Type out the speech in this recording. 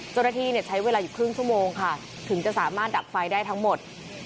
เจ้าหน้าที่ใช้เวลาอยู่ครึ่งชั่วโมงค่ะถึงจะสามารถดับไฟได้ทั้งหมด